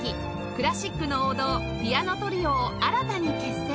クラシックの王道ピアノトリオを新たに結成！